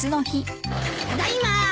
ただいま。